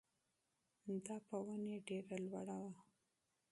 دا په ونې ډېره لوړه وه.